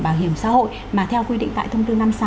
bảo hiểm xã hội mà theo quy định tại thông tư năm mươi sáu